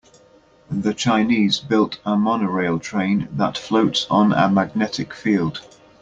The Chinese built a monorail train that floats on a magnetic field.